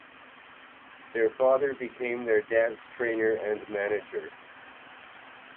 Their father became their dance trainer and manager.